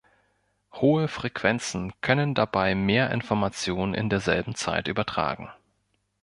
Hohe Frequenzen können dabei mehr Informationen in derselben Zeit übertragen.